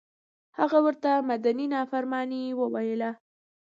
هغه ورته مدني نافرماني وویله.